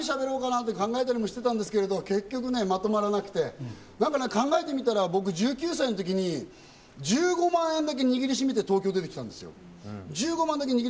今、何しゃべろかな？って考えたりしてたんですけど、結局まとまらなくて、考えてみたら僕、１９歳のときに１５万円だけ握りしめて東京に出てきたんです。